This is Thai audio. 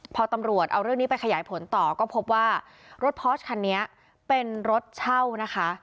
พอตำรวจเอาเรื่องนี้ไปขยายผลต่อก็พบว่ารถพอร์ชคันนี้เป็นรถเช่านะคะ